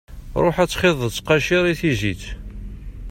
Ruḥ ad txiḍeḍ ttqacir i tizit.